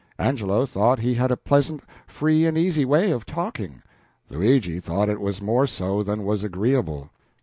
Angelo thought he had a pleasant free and easy way of talking; Luigi thought it was more so than was agreeable.